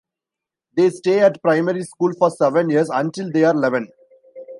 They stay at primary school for seven years until they are eleven.